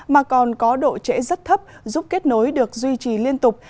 mà còn có độ trễ rất thấp giúp kết nối được duy trì liên tục